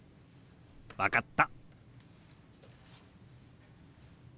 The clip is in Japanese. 分かった。